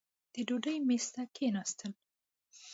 د ډوډۍ مېز ته کښېنستل.